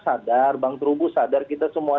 sadar bang terubu sadar kita semua